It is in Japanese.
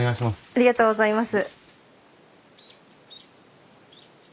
ありがとうございます。